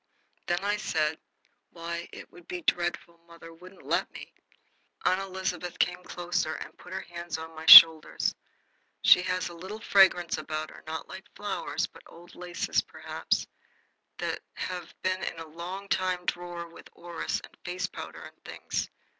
Then I said: "Why, it would be dreadful! Mother wouldn't let me!" Aunt Elizabeth came closer and put her hands on my shoulders. She has a little fragrance about her, not like flowers, but old laces, perhaps, that have been a long time in a drawer with orris and face powder and things.